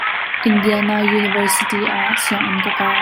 Indiana University ah sianginn ka kai.